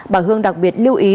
bà hương đặc biệt lưu ý